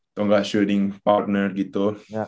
atau enggak shooting partner gitu